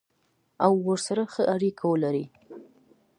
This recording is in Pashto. او ورسره ښه اړیکه ولري.